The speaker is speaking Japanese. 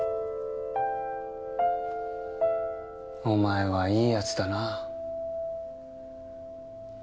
お前はいいヤツだな。